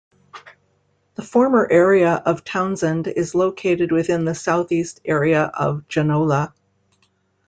The former area of Townsend is located within the southeast area of Genola.